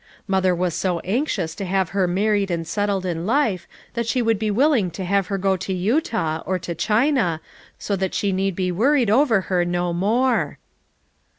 Mother was so anxious to have her married and settled in life that she would be willing to have her go to Utah, or to China, so that she need be worried over her no more.